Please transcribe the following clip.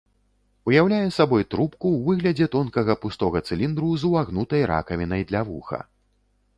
Уяўляе сабой трубку ў выглядзе тонкага пустога цыліндру з увагнутай ракавінай для вуха.